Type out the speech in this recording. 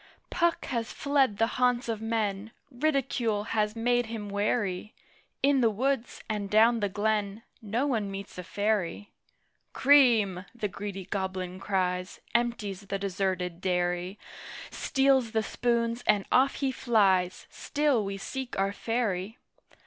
Puck has fled the haunts of men: Ridicule has made him wary: In the woods, and down the glen, No one meets a Fairy! "Cream!" the greedy Goblin cries Empties the deserted dairy Steals the spoons, and off he flies. Still we seek our Fairy!